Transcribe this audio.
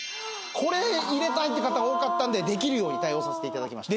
これ入れたいって方が多かったんでできるように対応させていただきました。